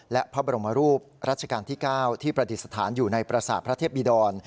และพระบรมรูปรัชกาลที่๙ที่ประดิษฐานอยู่ในประสาทพระเทพบิดร